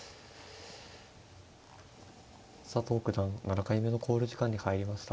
佐藤九段７回目の考慮時間に入りました。